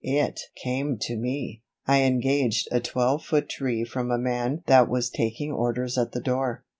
"It came to me. I engaged a twelve foot tree from a man that was taking orders at the door."